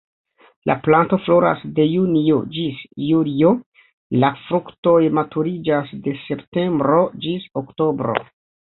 La planto floras de junio ĝis julio, la fruktoj maturiĝas de septembro ĝis oktobro.